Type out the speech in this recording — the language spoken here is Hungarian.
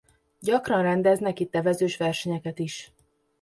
Gyakran rendeznek itt evezős versenyeket is.